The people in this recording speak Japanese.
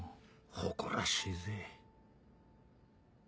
誇らしいぜ。